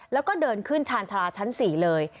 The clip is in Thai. แล้วก็เดินขึ้นชาญชาลาชั้น๔เลย